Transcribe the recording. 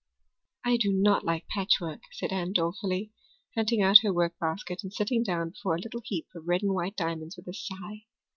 "I do not like patchwork," said Anne dolefully, hunting out her workbasket and sitting down before a little heap of red and white diamonds with a sigh.